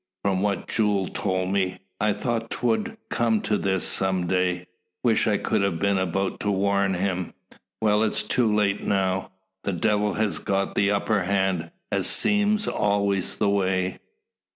From what Jule told me, I thought 't would come to this, some day. Wish I could a been about to warn him. Well, it's too late now. The Devil has got the upper hand, as seem always the way.